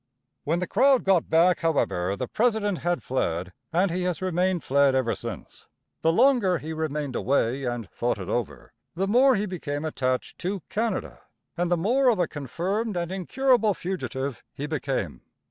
When the crowd got back, however, the president had fled and he has remained fled ever since. The longer he remained away and thought it over, the more he became attached to Canada, and the more of a confirmed and incurable fugitive he became.